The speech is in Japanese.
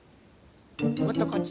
もっとこっち。